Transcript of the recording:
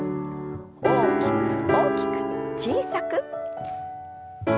大きく大きく小さく。